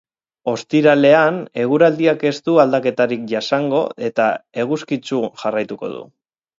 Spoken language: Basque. Ostiralean eguraldiak ez du aldaketarik jasango eta eguzkitsu jarraituko du.